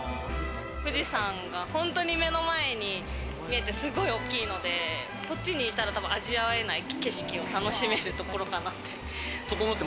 富士山が本当に目の前に見えてすごく大きいので、こっちにいたら味わえない景色を楽しめるところかなって。